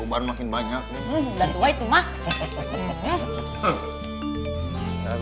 uban makin banyak neng